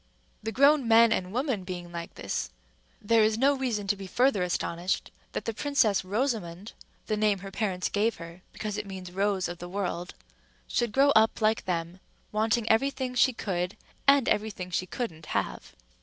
The grown men and women being like this, there is no reason to be further astonished that the Princess Rosamond—the name her parents gave her because it means Rose of the World—should grow up like them, wanting every thing she could and every thing she couldn't have.